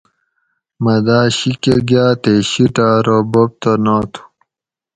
مٞہ داٞ شی کٞہ گاٞ تے شِیٹہ ارو بوب تہ ناتھُو